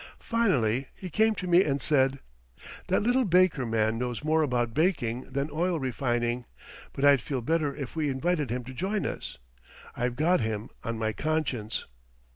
Finally he came to me and said: "That little baker man knows more about baking than oil refining, but I'd feel better if we invited him to join us I've got him on my conscience."